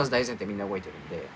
みんな動いてるんで。